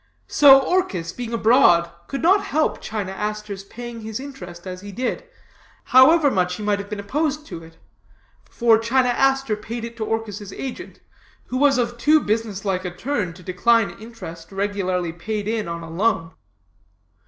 So Orchis, being abroad, could not help China Aster's paying his interest as he did, however much he might have been opposed to it; for China Aster paid it to Orchis's agent, who was of too business like a turn to decline interest regularly paid in on a loan.